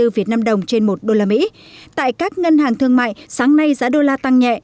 việt nam đồng trên một đô la mỹ tại các ngân hàng thương mại sáng nay giá đô la tăng nhẹ